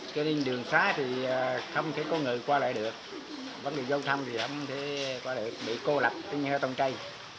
nhưng đường xá thì không thể có người qua lại được vấn đề dâu thăm thì không thể qua lại được bị cô lập tính như heo tông chay